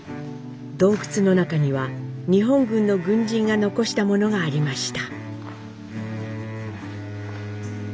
洞窟の中には日本軍の軍人が残したものがありました。